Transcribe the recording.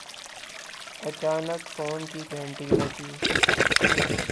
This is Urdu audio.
اچانک فون کی گھنٹی بجی